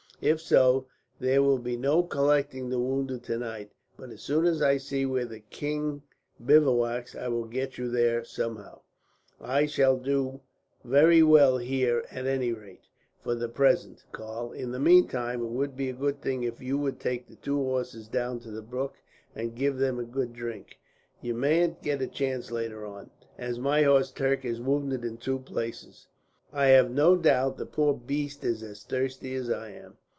If so, there will be no collecting the wounded tonight; but as soon as I see where the king bivouacs, I will get you there somehow." "I shall do very well here at any rate, for the present, Karl. In the meantime, it would be a good thing if you would take the two horses down to the brook, and give them a good drink. You mayn't get a chance later on. As my horse Turk is wounded in two places, I have no doubt the poor beast is as thirsty as I am."